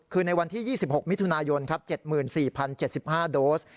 คือในวันที่๒๖มิถุนายน๗๔๐๗๕โดส